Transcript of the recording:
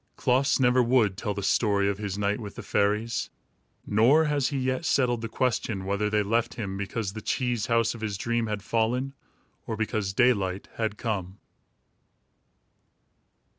Klaas never would tell the story of his night with the fairies, nor has he yet settled the question whether they left him because the cheese house of his dream had fallen, or because daylight had come.